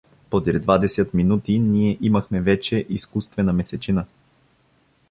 Подир двадесят минути ние имахме вече изкуствена месечина.